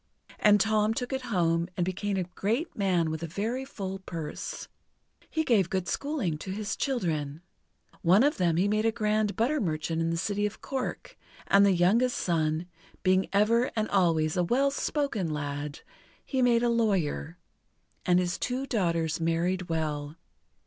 And Tom took it home, and became a great man with a very full purse. He gave good schooling to his children. One of them he made a grand butter merchant in the city of Cork, and the youngest son being ever and always a well spoken lad he made a lawyer; and his two daughters married well.